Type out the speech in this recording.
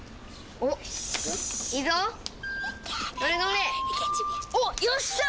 おっよっしゃ！